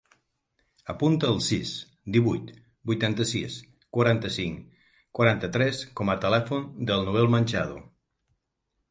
Apunta el sis, divuit, vuitanta-sis, quaranta-cinc, quaranta-tres com a telèfon del Noel Manchado.